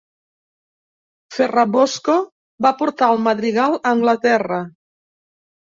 Ferrabosco va portar el madrigal a Anglaterra.